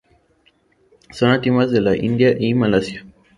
Son nativas de la India y Malasia.